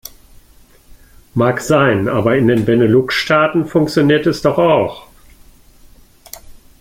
Mag sein, aber in den Benelux-Staaten funktioniert es doch auch.